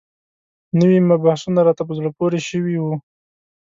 نوي مبحثونه راته په زړه پورې شوي وو.